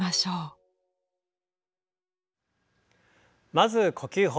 まず呼吸法。